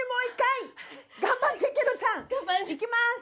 いきます！